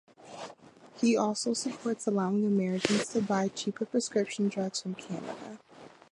He also supports allowing Americans to buy cheaper prescription drugs from Canada.